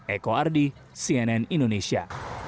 eko ardi cnn indonesia